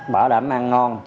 bảo đảm ăn ngon